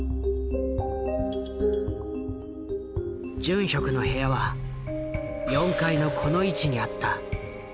ジュンヒョクの部屋は４階のこの位置にあった。